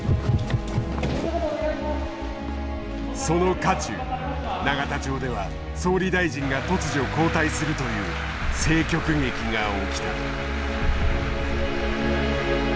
その渦中永田町では総理大臣が突如交代するという政局劇が起きた。